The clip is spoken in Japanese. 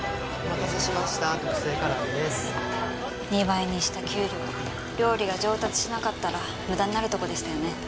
２倍にした給料料理が上達しなかったら無駄になるとこでしたよね。